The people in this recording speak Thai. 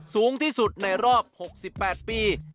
สูงที่สุดในรอบ๖๘ปี